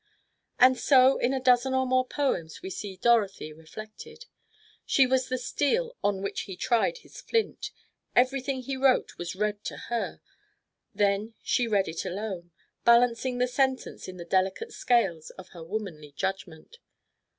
And so in a dozen or more poems, we see Dorothy reflected. She was the steel on which he tried his flint. Everything he wrote was read to her, then she read it alone, balancing the sentences in the delicate scales of her womanly judgment.